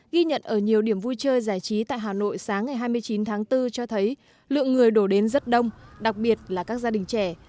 ghi nhận ở nhiều điểm vui chơi giải trí tại hà nội sáng ngày hai mươi chín tháng bốn cho thấy lượng người đổ đến rất đông đặc biệt là các gia đình trẻ